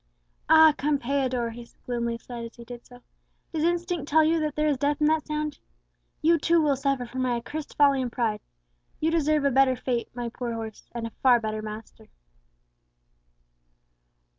"Ah! Campeador," he gloomily said as he did so, "does instinct tell you that there is death in that sound? You too will suffer from my accursed folly and pride. You deserve a better fate, my poor horse, and a far better master!"